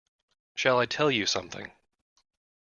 Shall I tell you something?